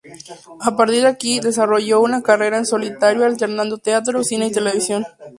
A partir de aquí, desarrolló una carrera en solitario alternando teatro, cine y televisión.